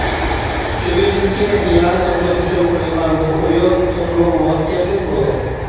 شۈبھىسىزكى، ئىئانە توپلاش ئۈچۈن قويۇلغان بۇ ئويۇن تولىمۇ مۇۋەپپەقىيەتلىك بولدى.